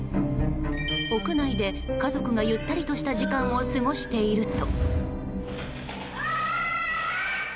屋内で家族がゆったりとした時間を過ごしていると。